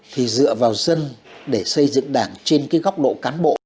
thì dựa vào dân để xây dựng đảng trên cái góc độ cán bộ